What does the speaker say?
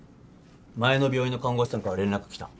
前の病院の看護師さんから連絡来た。